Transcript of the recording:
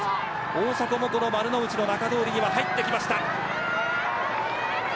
大迫も丸の内の仲通りに入ってきました。